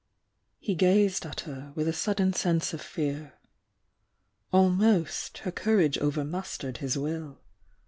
He gazed at her with a sudden sense of fear. Al most her courage overmastered his will.